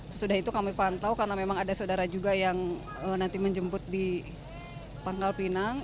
sesudah itu kami pantau karena memang ada saudara juga yang nanti menjemput di pangkal pinang